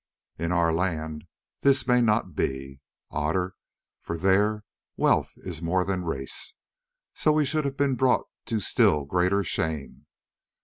"In our land this may not be, Otter, for there wealth is more than race. So we should have been brought to still greater shame.